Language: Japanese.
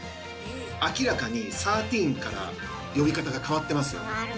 明らかにサーティーンから呼び方が変わってますよね。